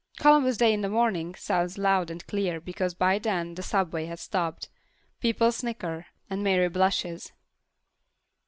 "Columbus Day in the morning" sounds loud and clear because by then the subway has stopped. People snicker, and Mary blushes.